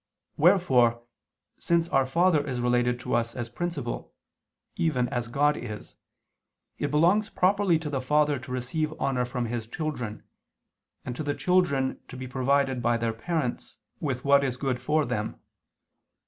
Wherefore since our father is related to us as principle, even as God is, it belongs properly to the father to receive honor from his children, and to the children to be provided by their parents with what is good for them.